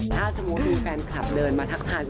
ถ้าสมมุติมีแฟนคลับเดินมาทักทาย